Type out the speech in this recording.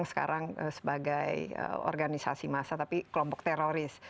karena dianggap sebagai organisasi massa tapi kelompok teroris